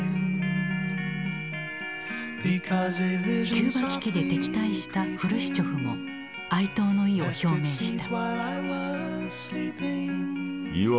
キューバ危機で敵対したフルシチョフも哀悼の意を表明した。